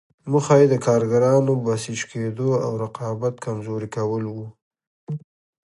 موخه یې د کارګرانو بسیج کېدو او رقابت کمزوري کول وو.